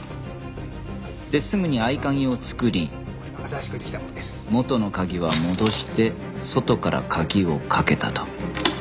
ですぐに合鍵を作り元の鍵は戻して外から鍵をかけたと。